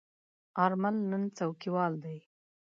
آرمل نن څوکیوال دی.